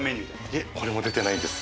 いえこれも出てないんです。